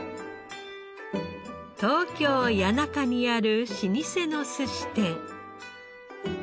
東京谷中にある老舗の寿司店。